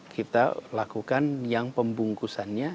kita lakukan yang pembungkusannya